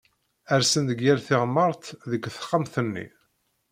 Rsen deg yal tiɣmert deg texxamt-nni